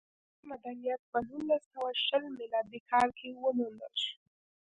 د سند مدنیت په نولس سوه شل میلادي کال کې وموندل شو